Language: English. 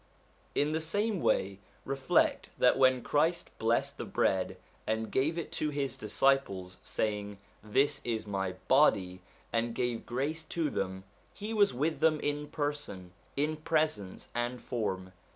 In the same way, reflect that when Christ blessed the bread and gave it to his disciples saying, ' This is my body,' and gave grace to them, he was with them in person, in presence, and form.